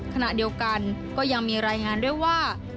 ขณะเดียวกันก็ยังมีรายงานด้วยว่า